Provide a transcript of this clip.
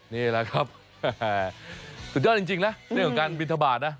นี่แหละครับสุดยอดจริงนะเรื่องของการบินทบาทนะ